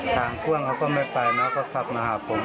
ทางฝ้องเขาก็ไม่ไปแล้วก็ขับมาหาผม